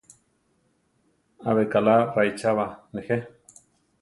Abe kaʼla raícha ba, néje?